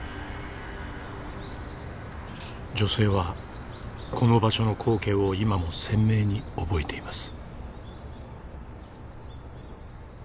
女性はこの場所の光景を今も鮮明に覚えています。